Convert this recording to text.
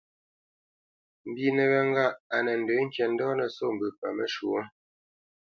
Mbínə wé ŋgâʼ á nə́ ndə̂ ŋkǐ ndo nə́ sô mbə paməshwɔ̌.